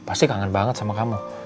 pasti kangen banget sama kamu